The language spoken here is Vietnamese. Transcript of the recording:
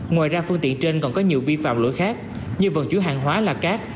ngoài ra phương tiện trên còn có nhiều vi phạm lỗi khác như vận chuyển hàng hóa là cát